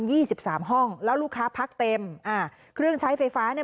สิบสามห้องแล้วลูกค้าพักเต็มอ่าเครื่องใช้ไฟฟ้าเนี้ย